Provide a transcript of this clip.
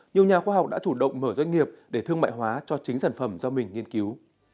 nhiều nhà khoa học đã chủ động mở doanh nghiệp để thương mại hóa cho chính sản phẩm do mình nghiên cứu